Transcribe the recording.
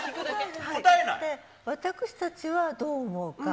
私たちは、どう思うか。